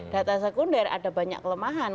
data sekunder ada banyak kelemahan